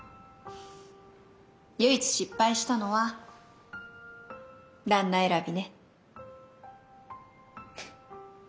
唯一失敗したのは旦那選びね。